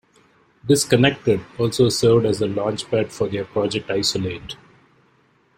"Disconnected" also served as the launch pad for their project "Isolate".